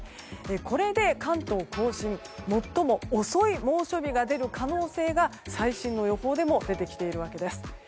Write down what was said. これで関東・甲信最も遅い猛暑日が出る可能性が最新の予報でも出てきているわけです。